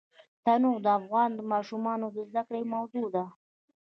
تنوع د افغان ماشومانو د زده کړې موضوع ده.